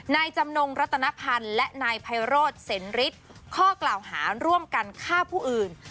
นายจำนงรัตนพันธ์และนายไพโรธเซ็นฤทธิ์ข้อกล่าวหาร่วมกันฆ่าผู้อื่น